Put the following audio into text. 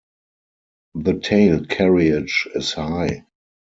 The tail carriage is high.